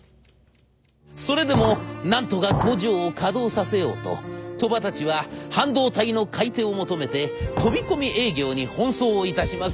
それでもなんとか工場を稼働させようと鳥羽たちは半導体の買い手を求めて飛び込み営業に奔走いたします。